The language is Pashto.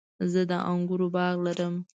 زه د انګورو باغ لرم